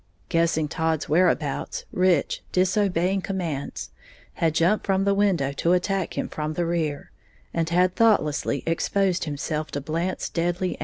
Guessing Todd's whereabouts, Rich, disobeying commands, had jumped from the window to attack him from the rear, and had thoughtlessly exposed himself to Blant's deadly aim.